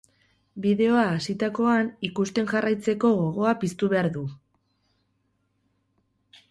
Bideoa hasitakoan, ikusten jarraitzeko gogoa piztu behar du.